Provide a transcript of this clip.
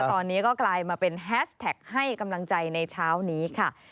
ตอนนี้ก็กลายมาเป็นแฮชแท็กให้กำลังใจในเช้านี้ค่ะ